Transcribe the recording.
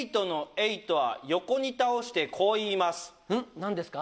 何ですか？